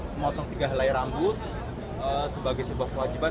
memotong tiga helai rambut sebagai sebuah kewajiban